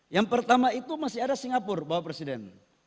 yang pertama itu masih ada singapura bapak presiden